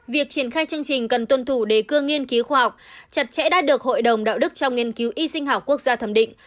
việc triển khai chương trình cần tuân thủ đề cương nghiên cứu khoa học chặt chẽ đã được hội đồng đạo đức trong nghiên cứu y sinh học quốc gia thẩm định